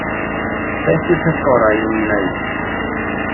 Beth yw'r peth gorau i mi wneud?